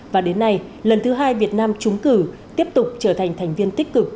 và đến nay lần thứ hai việt nam trúng cử tiếp tục trở thành thành viên tích cực